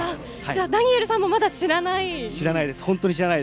ダニエルさんもまだ知らないんですね。